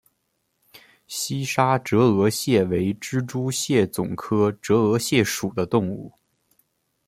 西沙折额蟹为蜘蛛蟹总科折额蟹属的动物。